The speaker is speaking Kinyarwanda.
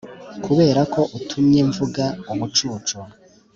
kuberako utumye mvuga ubicucu